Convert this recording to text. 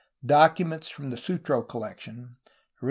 Documents from the Sutro coUec tion, orig.